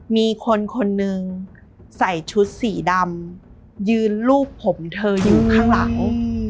มีคนคนนึงใส่ชุดสีดำยืนรูปผมเธออยู่ข้างหลัง